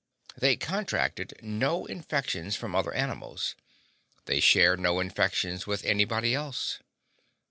They contracted no infections from other animals; they shared no infections with anybody else.